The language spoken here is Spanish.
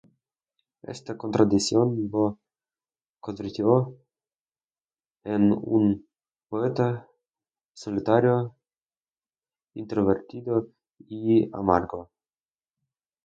Esta contradicción lo convirtió en un poeta solitario, introvertido y amargo.